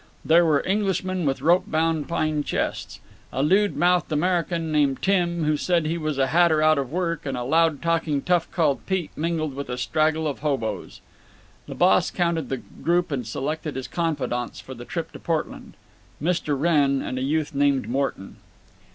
There were Englishmen with rope bound pine chests. A lewd mouthed American named Tim, who said he was a hatter out of work, and a loud talking tough called Pete mingled with a straggle of hoboes. The boss counted the group and selected his confidants for the trip to Portland—Mr. Wrenn and a youth named Morton.